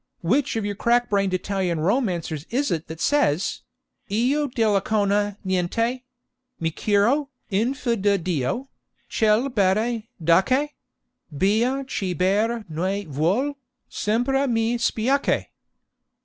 Which of your crack brained Italian romancers is it that says, Io d'Elicona niente Mi curo, in fe de Dio; che'l bere d'acque (Bea chi ber ne vuol) sempre mi spiacque!